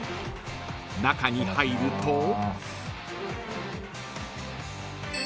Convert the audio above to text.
［中に入ると］